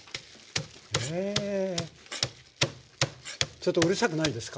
ちょっとうるさくないですか？